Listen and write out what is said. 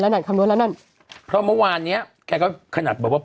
นั่นคำนวณแล้วนั่นเพราะเมื่อวานเนี้ยแกก็ขนาดแบบว่า